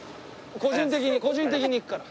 個人的に個人的に行くから。